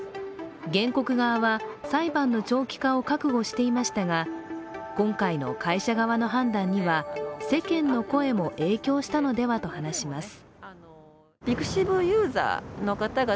原告側は裁判の長期化を覚悟していましたが今回の会社側の判断には世間の声も影響したのではと話します。